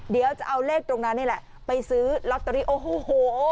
เดี๋ยวจะเอาเลขตรงนั้นนี่แหละไปซื้อลอตเตอรี่โอ้โห